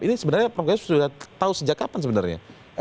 ini sebenarnya prof gayus sudah tahu sejak kapan sebenarnya